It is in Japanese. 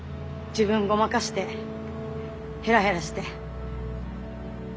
自分ごまかしてヘラヘラして。